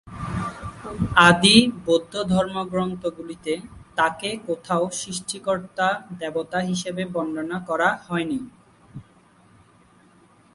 আদি বৌদ্ধ ধর্মগ্রন্থগুলিতে তাঁকে কোথাও সৃষ্টিকর্তা দেবতা হিসেবে বর্ণনা করা হয়নি।